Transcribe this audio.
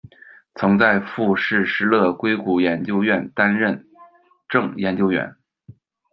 曾在富士施乐硅谷研究院担任正研究员。